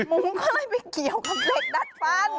มุ้งค่อยไปเกี่ยวกับเหล็กดัดฟัน